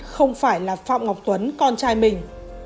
không phải là phạm ngọc tuấn con trai mình